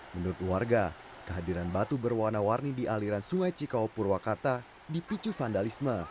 menurut warga kehadiran batu berwarna warni di aliran sungai cikau purwakarta dipicu vandalisme